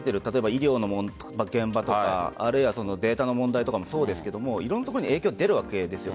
医療の現場とかあるいはデータの問題とかもそうですけどいろんなところに影響が出るわけです。